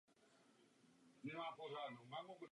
Musíme zajistit, že konference skončí úspěchem.